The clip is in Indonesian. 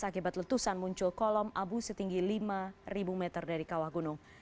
akibat letusan muncul kolom abu setinggi lima meter dari kawah gunung